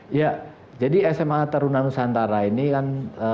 iya jadi sma tarunanusantara ini kan